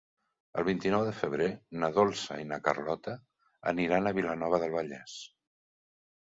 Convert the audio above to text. El vint-i-nou de febrer na Dolça i na Carlota aniran a Vilanova del Vallès.